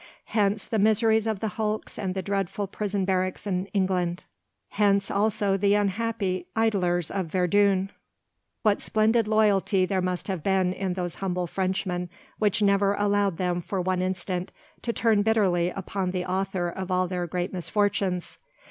Hence the miseries of the hulks and the dreadful prison barracks in England. Hence also the unhappy idlers of Verdun. What splendid loyalty there must have been in those humble Frenchmen which never allowed them for one instant to turn bitterly upon the author of all their great misfortunes.